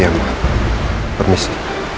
iya ma permisi